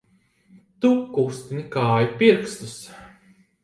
Tu kustini kāju pirkstus!